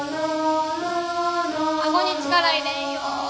顎に力入れんよ。